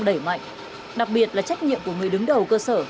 cơ sở đang đẩy mạnh đặc biệt là trách nhiệm của người đứng đầu cơ sở